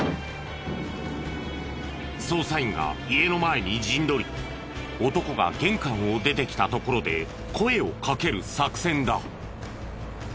捜査員が家の前に陣取り男が玄関を出てきたところで声をかける作戦だ。